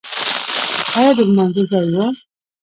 ایا د لمانځه ځای و؟